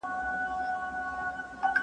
زه اوس مېوې راټولوم،